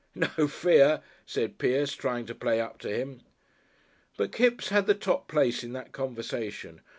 "No fear," said Pierce, trying to play up to him. But Kipps had the top place in that conversation.